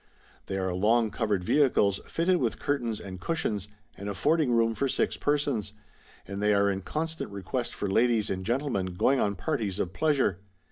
They are long covered vehicles, fitted with curtains and cushions, and affording room for six persons ; and they are in constant request for ladies and gentlemen going on parties of pleasure.